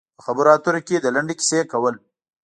په خبرو اترو کې د لنډې کیسې کول.